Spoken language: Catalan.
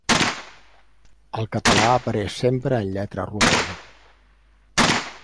El català apareix sempre en lletra rodona.